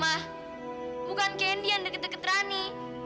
ma bukan candy yang deket deket rani